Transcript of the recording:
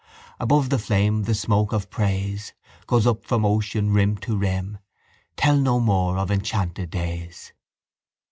Above the flame the smoke of praise Goes up from ocean rim to rim Tell no more of enchanted days.